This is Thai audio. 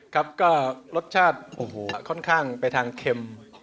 ครับก็รสชาติโอ้โหค่อนข้างไปทางเค็ม